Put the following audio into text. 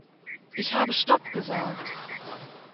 Ich habe stopp gesagt.